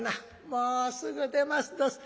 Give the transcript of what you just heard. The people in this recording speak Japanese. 「もうすぐ出ますどす。